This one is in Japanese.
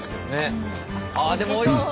でもおいしそう！